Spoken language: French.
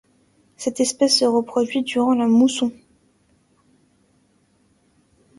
Cette espèce se reproduit durant la mousson.